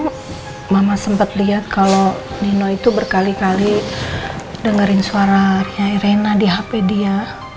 jadi tadi malam mama sempat lihat kalau nino itu berkali kali dengerin suara nyai rena di hp dia